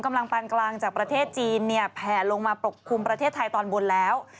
ปานกลางจากประเทศจีนเนี่ยแผ่ลงมาปกคลุมประเทศไทยตอนบนแล้ว